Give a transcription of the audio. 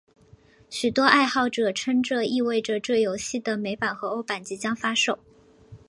许多爱好者称这意味这游戏的美版和欧版即将发售。